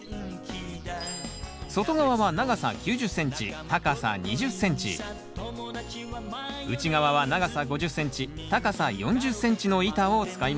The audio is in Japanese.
外側は長さ９０ｃｍ高さ２０ｃｍ内側は長さ５０ｃｍ高さ４０ｃｍの板を使います。